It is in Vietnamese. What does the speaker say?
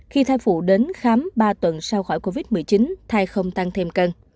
khi thai phụ đến khám ba tuần sau khỏi covid một mươi chín thai không tăng thêm cân